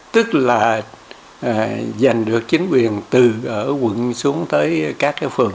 tức là giành được chính quyền từ ở quận xuống tới các phường